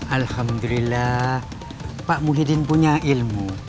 alhamdulillah pak muhyiddin punya ilmu